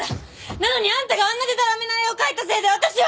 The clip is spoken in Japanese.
なのにあんたがあんなデタラメな絵を描いたせいで私は。